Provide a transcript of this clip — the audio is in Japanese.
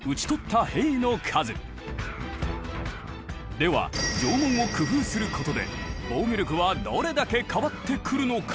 では城門を工夫することで防御力はどれだけ変わってくるのか？